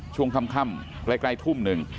ช่วงค่ำใกล้ทุ่มหนึ่ง